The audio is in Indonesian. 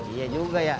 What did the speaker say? iya juga ya